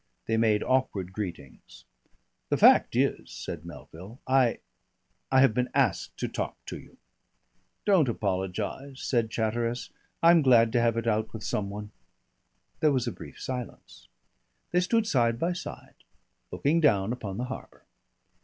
They made awkward greetings. "The fact is," said Melville, "I I have been asked to talk to you." "Don't apologise," said Chatteris. "I'm glad to have it out with some one." There was a brief silence. They stood side by side looking down upon the harbour.